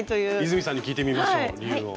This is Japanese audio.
泉さんに聞いてみましょう理由を。